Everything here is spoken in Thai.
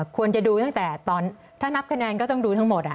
ควรจะดูตั้งแต่ตอนถ้านับคะแนนก็ต้องดูทั้งหมด